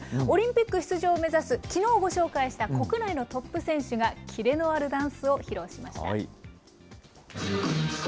オリンピック出場を目指す、きのうご紹介した国内のトップ選手がキレのあるダンスを披露しました。